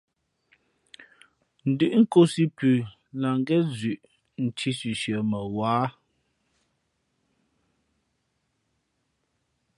Ndʉ́ʼ nkōsī pʉ lah ngén zʉʼ nthī sʉsʉα mα wǎ.